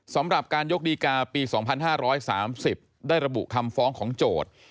สำหรับการยกดีกาปี๒๕๓๐ได้ระบุคำฟ้องของโจทย์